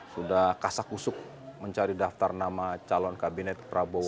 sudah kasak usuk mencari daftar nama calon kabinet prabowo